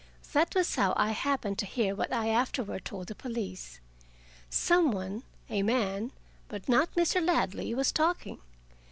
That was how I happened to hear what I afterward told the police. Some one a man, but not Mr. Ladley was talking.